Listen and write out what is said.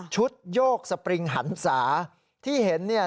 โยกสปริงหันศาที่เห็นเนี่ย